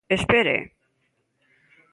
¡Espere!